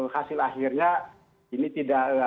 hasil akhirnya ini tidak